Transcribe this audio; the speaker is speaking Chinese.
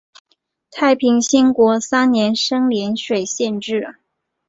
太平兴国三年升涟水县置。